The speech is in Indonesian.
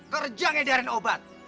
kerja menyiapkan obat